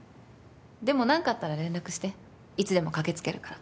でも何かあったら連絡していつでも駆けつけるから。